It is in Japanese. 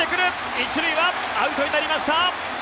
１塁はアウトになりました。